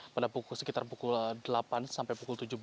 pada sekitar pukul delapan sampai pukul tujuh belas